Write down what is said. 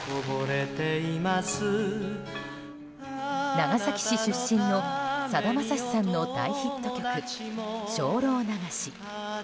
長崎市出身のさだまさしさんの大ヒット曲「精霊流し」。